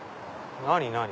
何？